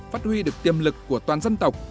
phát huy được tiềm lực của toàn dân tộc